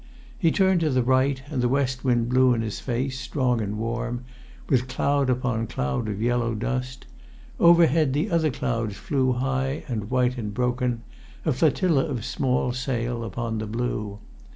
He turned to the right, and the west wind blew in his face, strong and warm, with cloud upon cloud of yellow dust; overhead the other clouds flew high and white and broken, a flotilla of small sail upon the blue.